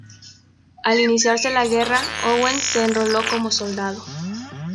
Al iniciarse la guerra, Owen se enroló como soldado.